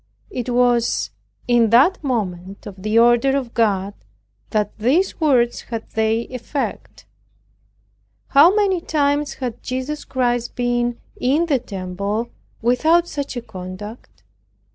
It was in that moment of the order of God, that these words had their effect. How many times had Jesus Christ been in the temple without such a conduct?